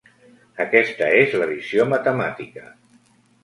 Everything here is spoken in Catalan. Aquesta és la visió matemàtica.